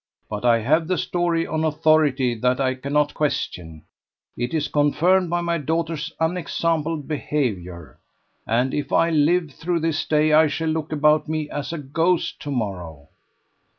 But I have the story on authority that I cannot question: it is confirmed by my daughter's unexampled behaviour. And if I live through this day I shall look about me as a ghost to morrow."